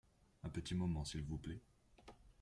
Un petit moment s'il vous plait.